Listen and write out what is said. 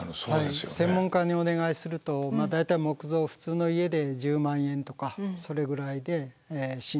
専門家にお願いすると大体木造普通の家で１０万円とかそれぐらいで診断をして頂くと。